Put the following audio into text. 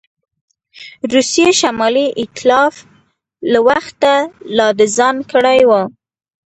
روسیې شمالي ایتلاف له وخته لا د ځان کړی وو.